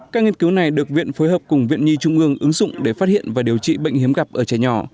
các nghiên cứu này được viện phối hợp cùng viện nhi trung ương ứng dụng để phát hiện và điều trị bệnh hiếm gặp ở trẻ nhỏ